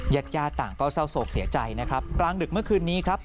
ญาติญาติต่างก็เศร้าโศกเสียใจนะครับกลางดึกเมื่อคืนนี้ครับ